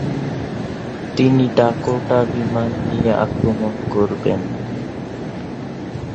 তিনি ডাকোটা বিমান নিয়ে আক্রমণ করবেন।